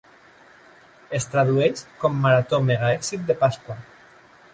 Es tradueix com "Marató Megaéxit de Pasqua".